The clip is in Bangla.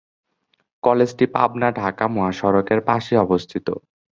কলেজটি পাবনা-ঢাকা মহাসড়কের পাশেই অবস্থিত।